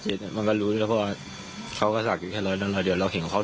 ใช่หมดเลยครับเขาแสดงมันก็รู้เลยว่าเขาก็ศักดิ์กับเขามากมาย